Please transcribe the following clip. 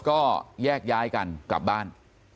ก็แยกย้ายกันกลับบ้าน